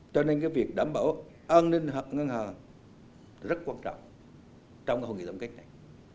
cho nên việc đảm bảo an ninh ngân hàng rất quan trọng trong hội nghị tổng cách này